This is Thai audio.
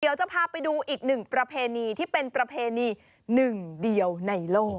เดี๋ยวจะพาไปดูอีกหนึ่งประเพณีที่เป็นประเพณีหนึ่งเดียวในโลก